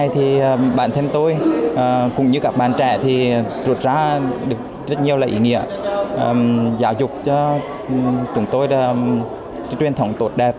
thì bản thân tôi cũng như các bạn trẻ thì trụt ra được rất nhiều lợi ý nghĩa giáo dục cho chúng tôi là truyền thống tốt đẹp